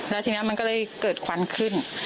แล้วทีนี้มันก็เลยเกิดควันขึ้น